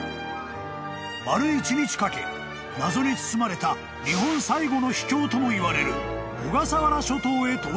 ［丸一日かけ謎に包まれた日本最後の秘境ともいわれる］